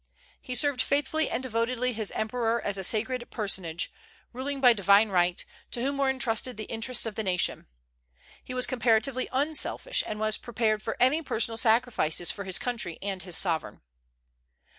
He served faithfully and devotedly his emperor as a sacred personage, ruling by divine right, to whom were intrusted the interests of the nation. He was comparatively unselfish, and was prepared for any personal sacrifices for his country and his sovereign.